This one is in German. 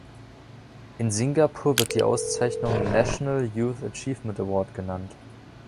In Singapur wird die Auszeichnung „National Youth Achievement Award“ genannt.